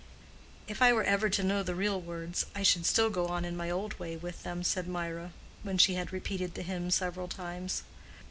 "If I were ever to know the real words, I should still go on in my old way with them," said Mirah, when she had repeated the hymn several times.